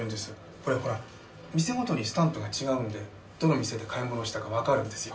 これほら店ごとにスタンプが違うんでどの店で買い物をしたかわかるんですよ。